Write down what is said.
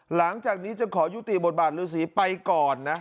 หลังจากนี้จะขอยุติบทบาทฤษีไปก่อนนะ